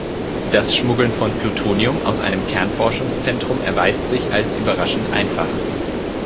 Das Schmuggeln von Plutonium aus einem Kernforschungszentrum erweist sich als überraschend einfach.